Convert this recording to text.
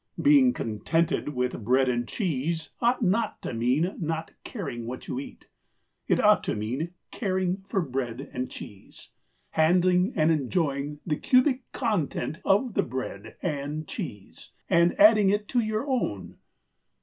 Being contented with bread and cheese ought not to mean not caring what you eat. It ought to mean caring for bread and cheese; handling and enjoying the cubic content of the bread and cheese and adding it to your own.